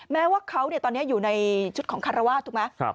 แม้ว่าเขาตอนนี้อยู่ในชุดของคารวาสถูกไหม